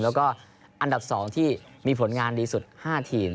แล้วก็อันดับ๒ที่มีผลงานดีสุด๕ทีม